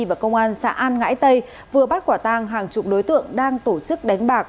và công an xã an ngãi tây vừa bắt quả tang hàng chục đối tượng đang tổ chức đánh bạc